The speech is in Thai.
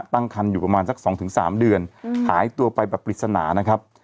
ตั้งคันอยู่ประมาณสัก๒๓เดือนหายตัวไปแบบปริศนานะครับ